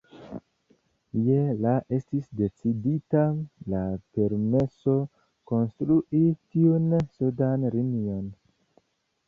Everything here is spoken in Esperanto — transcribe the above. Je la estis decidita la permeso konstrui tiun sudan linion.